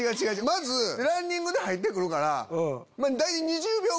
まずランニングで入って来るから。